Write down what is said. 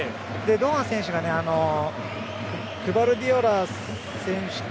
堂安選手がグヴァルディオル選手と。